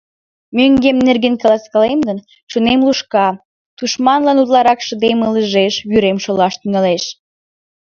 Мӧҥгем нерген каласем гын, чонем лушка, тушманлан утларак шыдем ылыжеш, вӱрем шолаш тӱҥалеш!